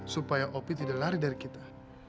supaya opi tidak lari dari kita